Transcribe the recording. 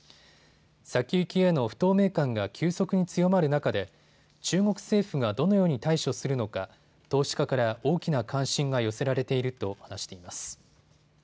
先行きへの不透明感が急速に強まる中で中国政府がどのように対処するのか投資家から大きな関心が寄せられていると話しています。